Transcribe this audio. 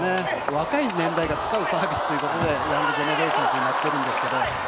若い年代が使うサービスということでヤングジェネレーションといっているんですが。